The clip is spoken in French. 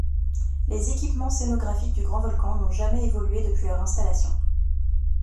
Les équipements scénographiques du Grand Volcan n’ont jamais évolué depuis leur installation.